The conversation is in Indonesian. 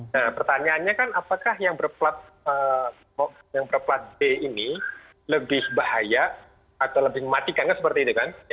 nah pertanyaannya kan apakah yang berplat yang berplat d ini lebih bahaya atau lebih mematikan kan seperti itu kan